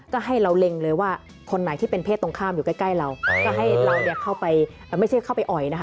ก็ให้เราเล็งเลยว่าคนไหนที่เป็นเพศตรงข้ามอยู่ใกล้เราก็ให้เราเนี่ยเข้าไปไม่ใช่เข้าไปอ่อยนะคะ